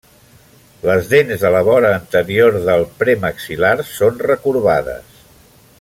Les dents de la vora anterior del premaxil·lar són recorbades.